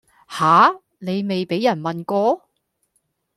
吓!你未畀人問過?